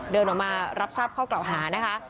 เดินออกมารับทราบข้อกล่าวหานะคะ